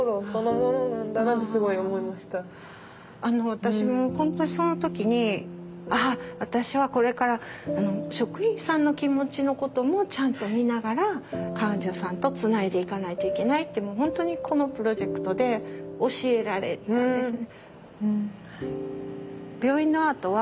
私も本当にその時に「ああ私はこれから職員さんの気持ちのこともちゃんと見ながら患者さんとつないでいかないといけない」って本当にこのプロジェクトで教えられたんですね。